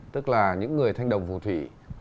tức là những người thanh đồng phù thủy